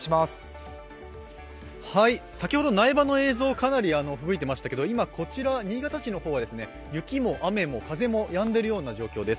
先ほど、苗場の映像かなりふぶいてましたけど今、こちら、新潟市の方は雪も雨も風もやんでいるような状況です。